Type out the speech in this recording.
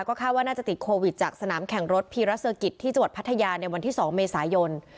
คาดว่าน่าจะติดโควิดจากสนามแข่งรถพีรัสเซอร์กิจที่จังหวัดพัทยาในวันที่๒เมษายน